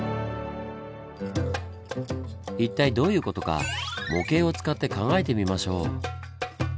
一体どういう事か模型を使って考えてみましょう。